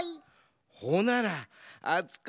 ほならあつこ